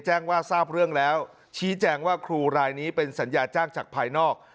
แจ้งว่าทราบเรื่องแล้วชี้แจงว่าครูรายนี้เป็นสัญญาจ้างจากภายนอก